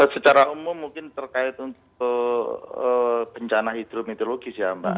secara umum mungkin terkait untuk bencana hidrometeorologis ya mbak